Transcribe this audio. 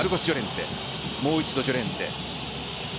もう一度ジョレンテ。